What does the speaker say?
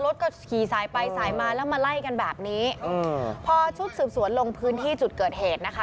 รถก็ขี่สายไปสายมาแล้วมาไล่กันแบบนี้อืมพอชุดสืบสวนลงพื้นที่จุดเกิดเหตุนะคะ